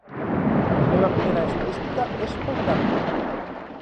La meva primera estadística és paupèrrima.